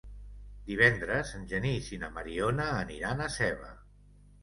Divendres en Genís i na Mariona aniran a Seva.